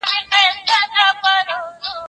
هغه ماشوم چې سبق وایي، په ټولنه کې ځلېږي.